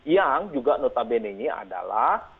yang juga nota bene ini adalah